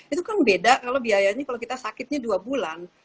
itu kan beda kalau biayanya kalau kita sakitnya dua bulan